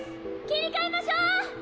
切り替えましょう！